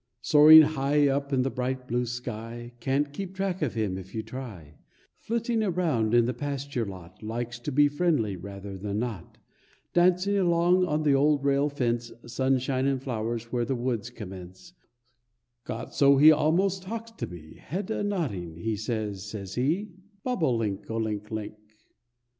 Soaring high up in the bright blue sky, Can't keep track of him if you try; Flitting around in the pasture lot, Likes to be friendly, rather than not; Dancing along on the old rail fence, Sunshine and flowers where the woods commence; Got so he almost talks to me; Head a nodding, he says, says he "Bob o link, o link, o link."